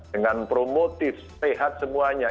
dengan promotif sehat semuanya